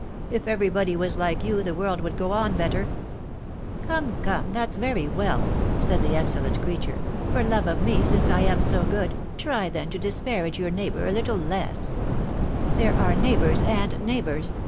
If everybody was like you, the world would go on better !" ^^Come! come! That's very well," said the excellent creature ; for love of me, since I am so good, try then to disparage your neighbor a little less I" There are neighbors, and neighbors